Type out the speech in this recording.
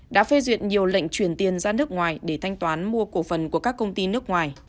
đã phê duyệt nhiều lệnh chuyển tiền ra nước ngoài để thanh toán mua cổ phần của các công ty nước ngoài